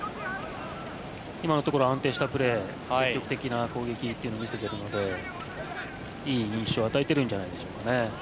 今のところ安定したプレー積極的な攻撃を見せているので、いい印象を与えているんじゃないでしょうか。